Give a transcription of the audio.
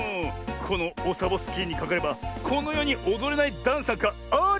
このオサボスキーにかかればこのよにおどれないダンスなんかありませんからね。